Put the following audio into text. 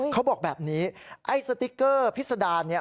เขาบอกแบบนี้ไอ้สติ๊กเกอร์พิษดารเนี่ย